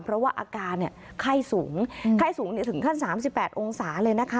เพราะว่าอาการไข้สูงไข้สูงถึงขั้น๓๘องศาเลยนะคะ